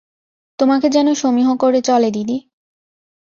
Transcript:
তোমাকে যেন সমীহ করে চলে দিদি।